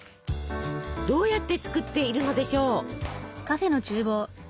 どうやって作っているのでしょう？